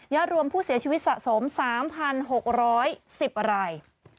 รวมผู้เสียชีวิตสะสม๓๖๑๐ราย